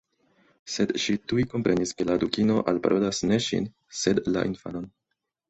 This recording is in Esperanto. Sed ŝi tuj komprenis ke la Dukino alparolas ne ŝin sed la infanon.